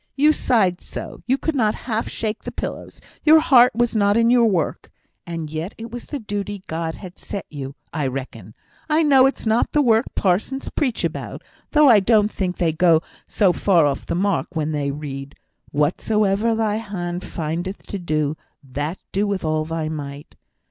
You sighed so, you could not half shake the pillows; your heart was not in your work; and yet it was the duty God had set you, I reckon; I know it's not the work parsons preach about; though I don't think they go so far off the mark when they read, 'whatsoever thy hand findeth to do, that do with all thy might.'